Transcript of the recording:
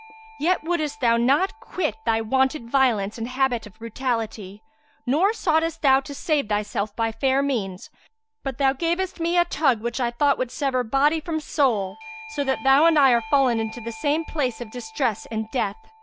Yet wouldest thou not quit thy wonted violence and habit of brutality; nor soughtest thou to save thyself by fair means, but thou gavest me a tug which I thought would sever body from soul, so that thou and I are fallen into the same place of distress and death.